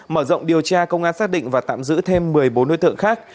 mở rộng điều tra công an xác định và tạm giữ thêm một mươi bốn đối tượng khác